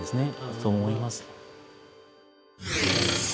そう思います。